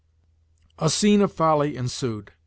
A scene of folly ensued.